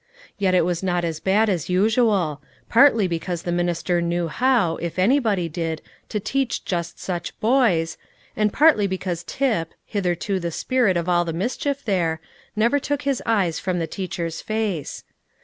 Yet it was not as bad as usual; partly because the minister knew how, if anybody did, to teach just such boys, and partly because Tip, hitherto the spirit of all the mischief there, never took his eyes from the teacher's face.